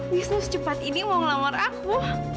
bisnis secepat ini mau ngelamar aku